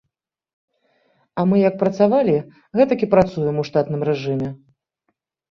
А мы як працавалі, гэтак і працуем у штатным рэжыме.